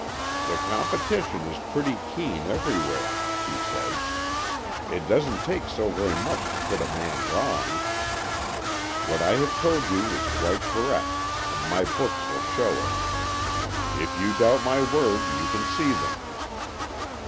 "The competition is pretty keen every where," he said. " It doesn't take so very much to put a man wrong. What I have told you is quite correct, and my books will show it. If you doubt my word you can see them."